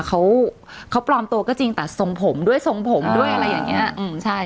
เขาเขาปลอมตัวก็จริงแต่ทรงผมด้วยทรงผมด้วยอะไรอย่างเงี้ยอืมใช่